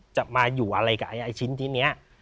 จะมาอยู่อะไรกับไอ้ชิ้นที่นี้